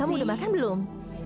kamu udah makan belum